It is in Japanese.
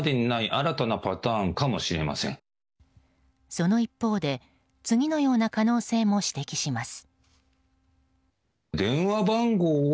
その一方で次のような可能性も指摘します。